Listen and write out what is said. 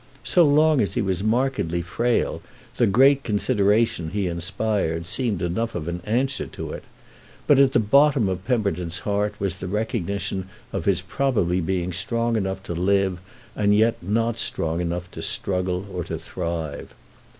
So long as he was markedly frail the great consideration he inspired seemed enough of an answer to it. But at the bottom of Pemberton's heart was the recognition of his probably being strong enough to live and not yet strong enough to struggle or to thrive.